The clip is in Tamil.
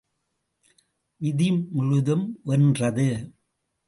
விதி முழுதும் வென்றது.